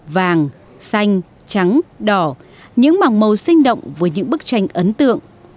vàng xanh trắng đỏ những màng màu sinh động với những bức tranh ấn tượng